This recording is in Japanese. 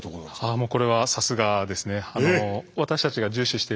もうこれはさすがですね。